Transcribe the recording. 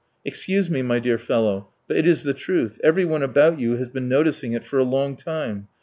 Excuse me, my dear fellow, but it is the truth; everyone about you has been noticing it for a long time.